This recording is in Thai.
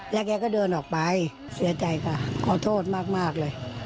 แล้วแกก็เดินออกไปเสียใจค่ะขอโทษมากเลย